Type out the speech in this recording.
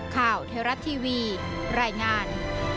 ข่าวเทราะห์ทีวีรายงาน